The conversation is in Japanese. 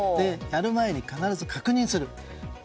やる前に必ず確認する。